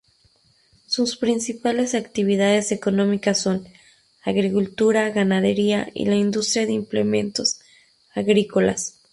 Sus principales actividades económicas son: agricultura, ganadería y la industria de implementos agrícolas.